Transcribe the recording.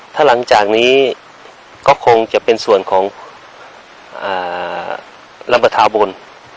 ถ้าหลังจากนี้ก็คงจะเป็นส่วนของลำประทาบน